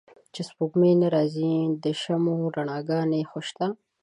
چې سپوږمۍ نه را ځي د شمعو رڼاګا نې خوشته